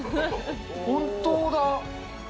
本当だ。